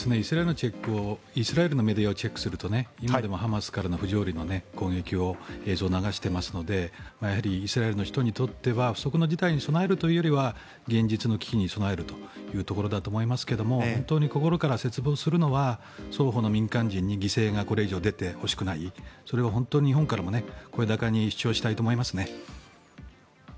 イスラエルのメディアをチェックすると今でもハマスからの不条理な攻撃の映像を流していますのでやはりイスラエルの人にとっては不測の事態に備えるというよりは現実の危機に備えるというところだと思いますけど本当に心から切望するのは双方の民間人にこれ以上犠牲が出てほしくないそれを本当に日本からも声高に主張したいと思いますね。